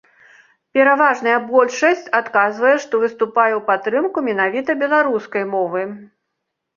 Пераважная большасць адказвае, што выступае ў падтрымку менавіта беларускай мовы.